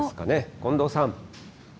近藤さん。